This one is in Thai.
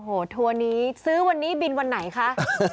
โอ้โหทัวร์นี้ซื้อวันนี้บินวันไหนคะ